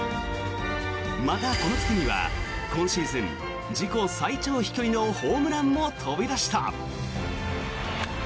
また、この月には今シーズン自己最長飛距離のホームランも飛び出した。